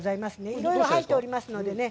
いろいろ入っておりますのでね。